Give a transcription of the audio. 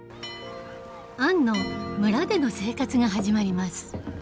アンの村での生活が始まります。